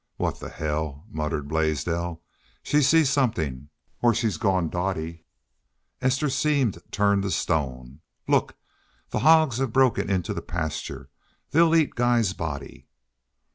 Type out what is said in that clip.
"What the hell!" muttered Blaisdell. "She sees somethin', or she's gone dotty." Esther seemed turned to stone. "Look! The hogs have broken into the pasture! ... They'll eat Guy's body!"